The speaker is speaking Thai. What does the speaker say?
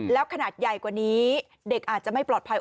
แล้วขนาดใหญ่กว่านี้เด็กอาจจะไม่ปลอดภัย